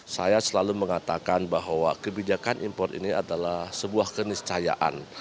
saya selalu mengatakan bahwa kebijakan impor ini adalah sebuah keniscayaan